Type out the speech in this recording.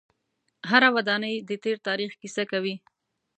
هره ودانۍ د تیر تاریخ کیسه کوي.